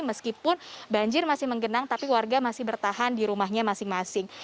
meskipun banjir masih menggenang tapi warga masih bertahan di rumahnya masing masing